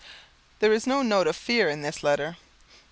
There is no note of fear in this letter.